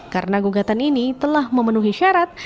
karena gugatan ini telah memenuhi syarat